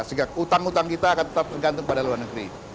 sehingga utang utang kita akan tetap tergantung pada luar negeri